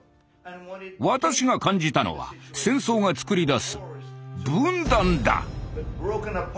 私が感じたのは戦争がつくり出す分断だ。